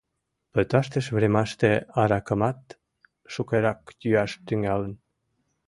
Пытартыш времаште аракамат шукырак йӱаш тӱҥалын.